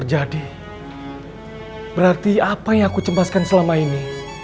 hai berarti apa yang aku cempaskan selama ini